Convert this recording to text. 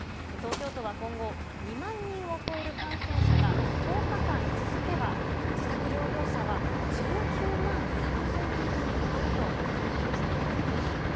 東京都は今後、２万人を超える感染者が１０日間続けば、自宅療養者は１９万３０００人に上ると想定しているんです。